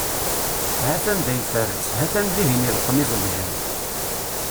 Ha-t-an da iferres, ha-t-an dihin ileqqem iẓebbjan.